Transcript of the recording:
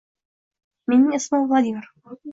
Mening ismim Vladimir.